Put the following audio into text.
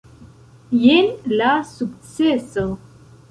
Jen la sukceso.